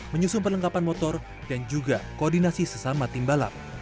menyusun perlengkapan motor dan juga koordinasi sesama tim balap